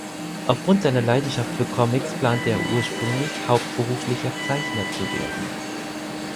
Aufgrund seiner Leidenschaft für Comics plante er ursprünglich, hauptberuflicher Zeichner zu werden.